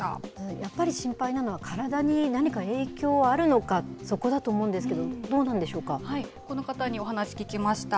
やっぱり、心配なのは、体に何か影響があるのか、そこだと思うんですけど、どうなんでしょうこの方にお話聞きました。